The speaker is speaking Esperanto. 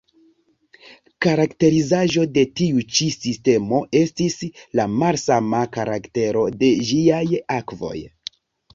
Karakterizaĵo de tiu ĉi sistemo estis la malsama karaktero de ĝiaj akvoj.